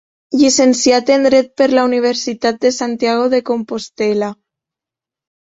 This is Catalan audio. Llicenciat en dret per la Universitat de Santiago de Compostel·la.